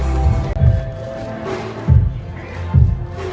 สโลแมคริปราบาล